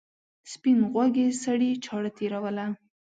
سپین غوږي سړي چاړه تېروله.